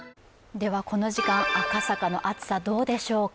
では、この時間、赤坂の暑さ、どうでしょうか。